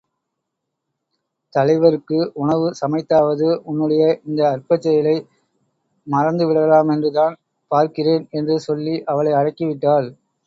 தலைவருக்கு, உணவு சமைத்தாவது, உன்னுடைய இந்த அற்பச் செயலை மறந்துவிடலாமென்றுதான் பார்க்கிறேன் என்று சொல்லி அவளை அடக்கிவிட்டாள்.